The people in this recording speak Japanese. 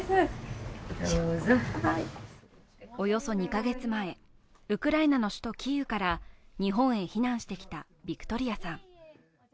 およそ２カ月前、ウクライナの首都キーウから日本へ避難してきたヴィクトリアさん。